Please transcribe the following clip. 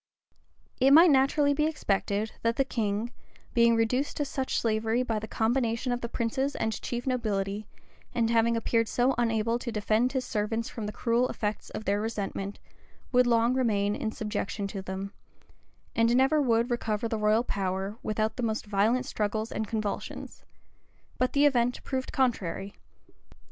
} It might naturally be expected, that the king, being reduced to such slavery by the combination of the princes and chief nobility, and having appeared so unable to defend his servants from the cruel effects of their resentment, would long remain in subjection to them; and never would recover the royal power, without the most violent struggles and convulsions: but the event proved contrary.